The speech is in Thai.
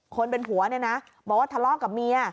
คนเป็นผัวเนี่ยนะบอกว่าทะเลาะกับเมีย